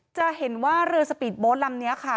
จะเห็นว่าเรือสปีดโบสต์ลำนี้ค่ะ